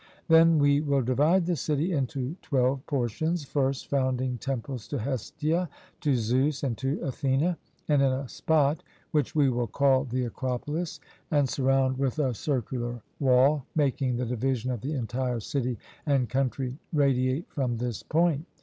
Then we will divide the city into twelve portions, first founding temples to Hestia, to Zeus and to Athene, in a spot which we will call the Acropolis, and surround with a circular wall, making the division of the entire city and country radiate from this point.